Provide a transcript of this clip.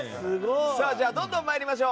どんどん参りましょう。